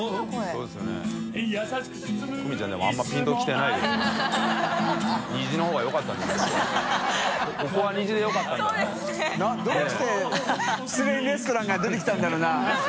そうですね ）どうして「失恋レストラン」が出てきたんだろうな？）